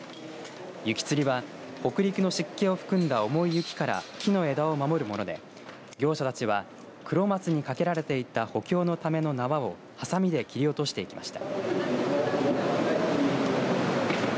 雪つりは北陸の湿気を含んだ重い雪から木の枝を守るもので業者たちはクロマツにかけられていた補強のための縄をはさみで切り落としていきました。